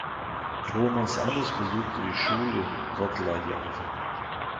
Toomas Annus besuchte die Schule in Kohtla-Järve.